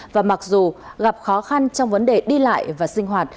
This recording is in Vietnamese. và mặc dù gặp khó khăn trong vấn đề đi lại và sinh hoạt